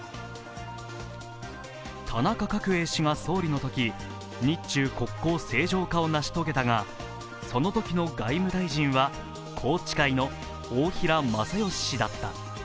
田中角栄氏が総理のとき、日中国交正常化を成し遂げたがそのときの外務大臣は宏池会の大平正芳氏だった。